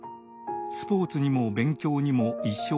スポーツにも勉強にも一生懸命。